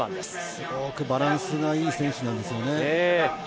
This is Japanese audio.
すごくバランスがいい選手なんですよね。